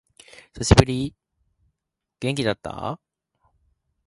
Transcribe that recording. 久しぶり。元気だった？